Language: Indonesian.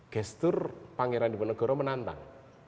gestur pangeran diponegoro menantang